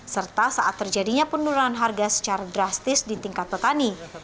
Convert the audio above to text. serta saat terjadinya penurunan harga secara drastis di tingkat petani